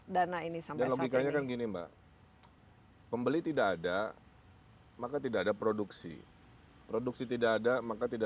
dana ini sampai saat ini pembeli tidak ada maka tidak ada produksi produksi tidak ada maka tidak